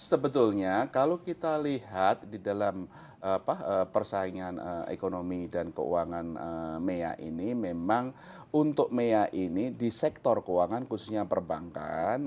sebetulnya kalau kita lihat di dalam persaingan ekonomi dan keuangan meya ini memang untuk meya ini di sektor keuangan khususnya perbankan